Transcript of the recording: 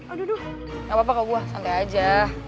aduh enggak apa apa kak gua santai aja